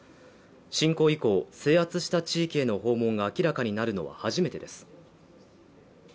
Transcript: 侵攻以降、制圧した地域への訪問が明らかになるのは初めてです。